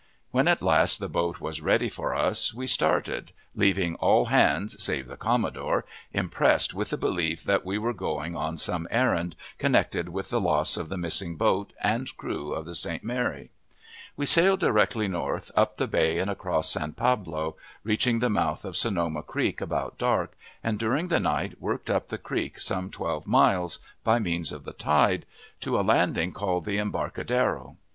When at last the boat was ready for us, we started, leaving all hands, save the commodore, impressed with the belief that we were going on some errand connected with the loss of the missing boat and crew of the St. Mary. We sailed directly north, up the bay and across San Pablo, reached the month of Sonoma Creek about dark, and during the night worked up the creek some twelve miles by means of the tide, to a landing called the Embarcadero.